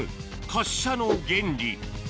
滑車の原理